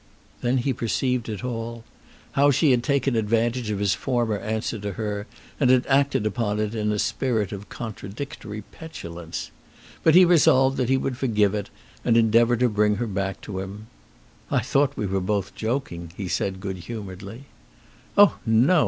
Then he perceived it all; how she had taken advantage of his former answer to her and had acted upon it in a spirit of contradictory petulance. But he resolved that he would forgive it and endeavour to bring her back to him. "I thought we were both joking," he said good humouredly. "Oh, no!